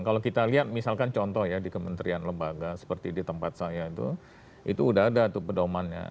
kalau kita lihat misalkan contoh ya di kementerian lembaga seperti di tempat saya itu itu udah ada tuh pedomannya